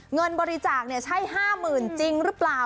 เงินบริจาคใช่๕๐๐๐จริงหรือเปล่า